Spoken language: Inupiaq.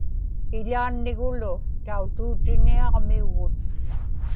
iḷaannigulu tautuutiniaġmiugut